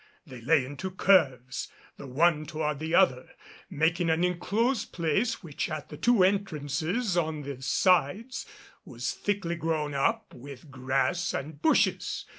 They lay in two curves, the one toward the other, making an enclosed place which at the two entrances and on the sides was thickly grown up with grass and bushes.